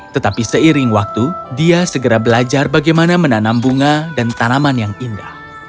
tetapi seiring waktu dia segera belajar bagaimana menanam bunga dan tanaman yang indah